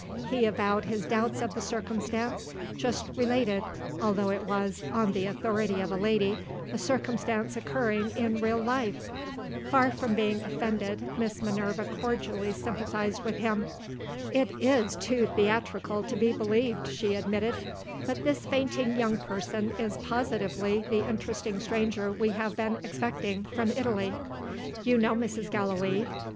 He avowed his doubts of the circumstance just related, although it was, on the authority of a lady, a circumstance occurring in real life! Far from being offended, Miss Minerva cordially sympathized with him. "It is too theatrical to be believed," she admitted; "but this fainting young person is positively the interesting stranger we have been expecting from Italy. You know Mrs. Gallilee.